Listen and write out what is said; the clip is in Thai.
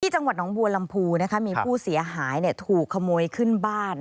จังหวัดน้องบัวลำพูนะคะมีผู้เสียหายถูกขโมยขึ้นบ้าน